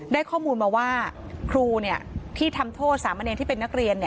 ได้ข้อมูลมาว่าครูที่ทำโทษสามเณรที่เป็นนักเรียน